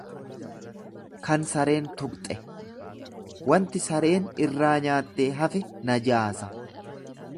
kan sareen tuqxe; Waanti sareen irraa nyaattee hafe najaasa.